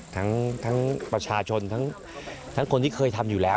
ทั้งประชาชนทั้งคนที่เคยทำอยู่แล้ว